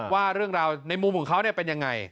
ว่าเรื่องราวในมุมของเขาเป็นยังไง